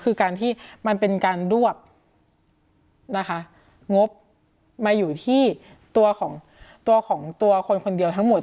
คือการที่มันเป็นการรวบนะคะงบมาอยู่ที่ตัวของตัวของตัวคนคนเดียวทั้งหมด